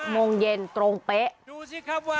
๖โมงเย็นตรงเป๊ะ